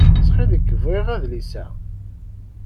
Ttxil-k bɣiɣ adlis-a.